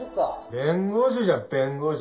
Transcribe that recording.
弁護士じゃ弁護士！